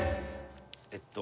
えっと。